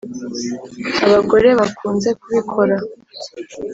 abagore bakunze kubikora.